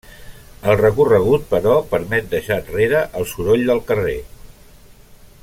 El recorregut però permet deixar enrere el soroll del carrer.